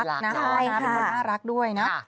เป็นคนน่ารักด้วยนะ